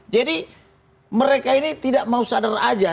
jadi mereka ini tidak mau sadar aja